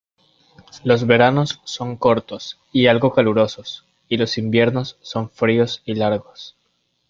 Los veranos son cortos y algo calurosos y los inviernos son fríos y largos.